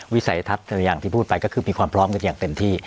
สัยทัศน์อย่างที่พูดไปก็คือมีความพร้อมกันอย่างเต็มที่